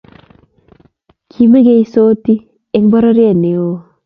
Kimeng'isoti eng bororiet neoo.